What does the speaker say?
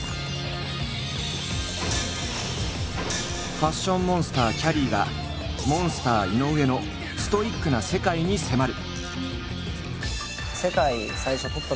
ファッションモンスターきゃりーがＭＯＮＳＴＥＲ井上のストイックな世界に迫る！